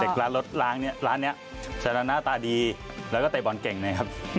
เด็กร้านรถร้านนี่ใช้ละหน้าตาดีแล้วก็เตะบอลเก่งนะครับ